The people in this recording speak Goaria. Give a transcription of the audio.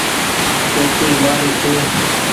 چوٽي مآري ڇي۔